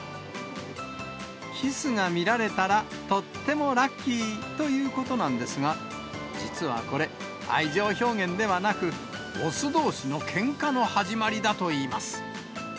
キスが見られたらとってもラッキーということなんですが、実はこれ、愛情表現ではなく、雄どうしのけんかの始まりだといいます。